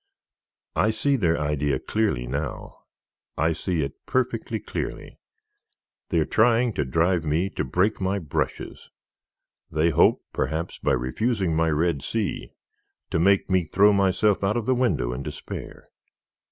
I see their idea clearly now I see it perfectly clearly; they are trying to drive me to break my brushes. They hope, perhaps, by refusing my Red Sea, to make me throw myself out of the window in despair.